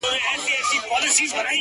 ډيره ژړا لـــږ خـــنــــــــــدا;